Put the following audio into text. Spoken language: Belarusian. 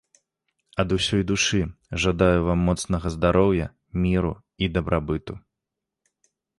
Ад усёй душы жадаю вам моцнага здароўя, міру і дабрабыту.